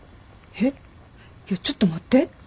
いやちょっと待って。